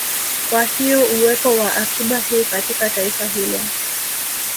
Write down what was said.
Kwa hiyo uwepo wa akiba hii katika taifa hilo